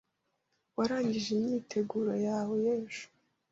Warangije imyiteguro yawe y'ejo?